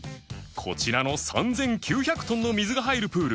こちらの３９００トンの水が入るプール